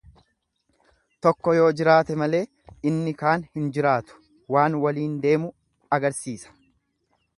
Tokko yoo jiraate malee inni kaan hin jiraatu Waan waliin deemu agarsiisa.